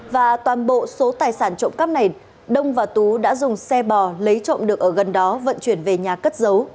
và toàn bộ số tài sản trộm cắp này đông và tú đã dùng xe bò lấy trộm được ở gần đó vận chuyển về nhà cất giấu